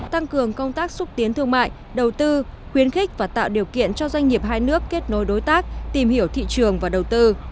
tăng cường công tác xúc tiến thương mại đầu tư khuyến khích và tạo điều kiện cho doanh nghiệp hai nước kết nối đối tác tìm hiểu thị trường và đầu tư